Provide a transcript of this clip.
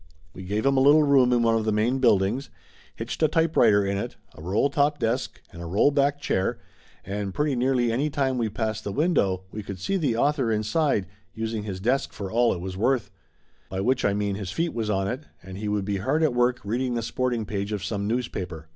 We gave him a little room in one of the main buildings, hitched a typewriter in it, a roll top desk, and a roll back chair, and pretty nearly 214 Laughter Limited any time we passed the window we could see the author inside, using his desk for all it was worth. By which I mean to say his feet was on it, and he would be hard at work reading the sporting page of some newspaper.